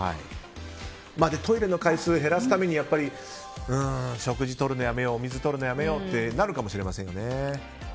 トイレの回数を減らすために食事をとるのをやめようお水をとるのをやめようってなるかもしれませんよね。